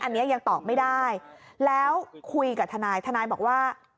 อันนี้ยังตอบไม่ได้แล้วคุยกับทนายทนายบอกว่า